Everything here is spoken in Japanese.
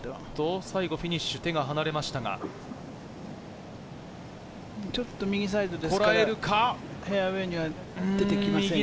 最後のフィニッシュ手がちょっと右サイドですが、フェアウエーには出てきませんね。